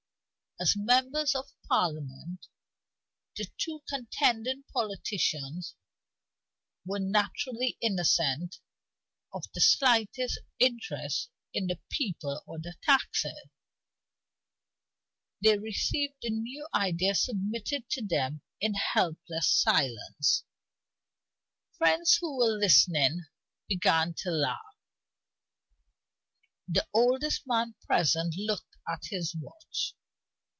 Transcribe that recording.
As members of Parliament, the two contending politicians were naturally innocent of the slightest interest in the people or the taxes; they received the new idea submitted to them in helpless silence. Friends who were listening began to laugh. The oldest man present looked at his watch.